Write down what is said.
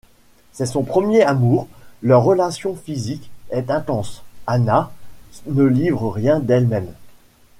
C'est son premier amour, leur relation physique est intense, Hannah ne livre rien d'elle-même.